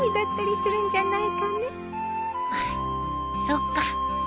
そっか。